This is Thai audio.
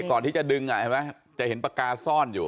ก่อนที่จะดึงจะเห็นปากกาซ่อนอยู่